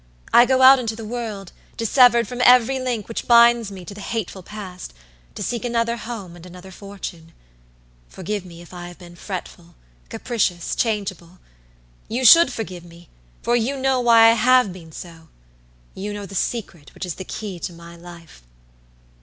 I go out into the world, dissevered from every link which binds me to the hateful past, to seek another home and another fortune. Forgive me if I have been fretful, capricious, changeable. You should forgive me, for you know why I have been so. You know the secret which is the key to my life.